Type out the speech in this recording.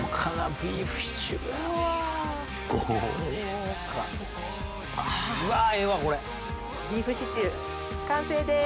ビーフシチュー完成です。